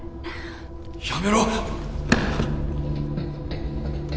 やめろ！